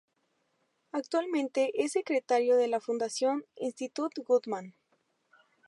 Actualmente es secretario de la Fundació Institut Guttmann.